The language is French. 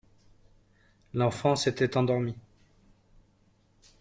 L'enfant s'était endormi.